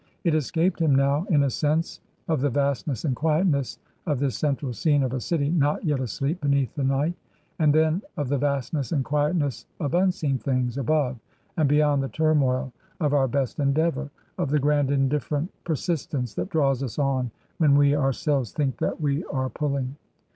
It escaped him now in a sense of the vastness and quietness of this central scene of a city not yet asleep beneath the night; and then of the vastness and quietness of unseen things above and be yond the turmoil of our best endeavour, of the grand indifferent persistence that draws us on when we our selves think that we are pulling.